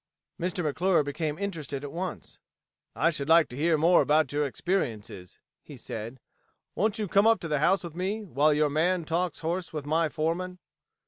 Mr. McClure became interested at once. "I should like to hear more about your experiences," he said. "Won't you come up to the house with me, while your man talks horse with my foreman?"